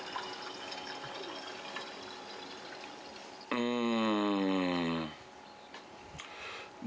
うん。